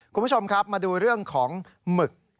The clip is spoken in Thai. คุณผู้ชมครับมาดูเรื่องของหมึก